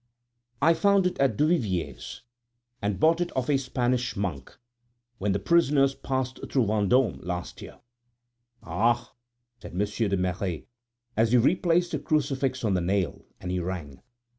"I found it at Duvivier's, who bought it of a Spanish monk when the prisoners passed through Vendôme last year." "Ah!" said Monsieur de Merret, as he replaced the crucifix on the nail, and he rang.